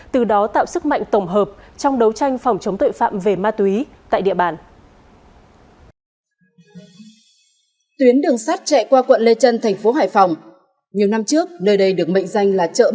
từ đó tạo sức mạnh tổng hợp trong đấu tranh phòng chống tội phạm về ma túy tại địa bàn